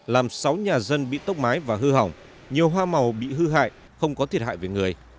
làm sáu nhà dân bị tốc mái và hư hỏng nhiều hoa màu bị hư hại không có thiệt hại về người